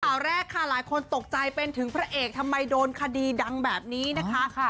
ข่าวแรกค่ะหลายคนตกใจเป็นถึงพระเอกทำไมโดนคดีดังแบบนี้นะคะ